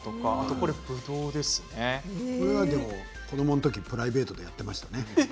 これは子どものときプライベートでやっていましたね。